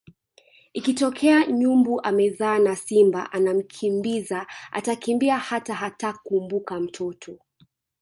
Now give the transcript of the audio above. Ikitokea nyumbu amezaa na simba anamkimbiza atakimbia hata hatakumbuka mtoto